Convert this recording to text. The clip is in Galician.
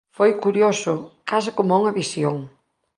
Foi curioso, case como unha visión: